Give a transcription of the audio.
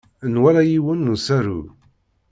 Nwala yiwen n usaru.